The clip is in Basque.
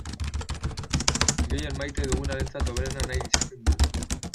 Gehien maite dugunarentzat hoberena nahi izaten dugu.